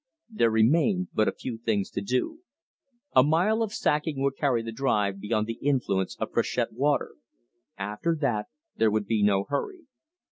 There remained but a few things to do. A mile of sacking would carry the drive beyond the influence of freshet water. After that there would be no hurry.